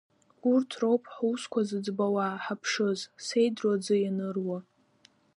Урҭ роуп ҳусқәа зыӡбауа, ҳаԥшыз, сеидру аӡы ианыруа…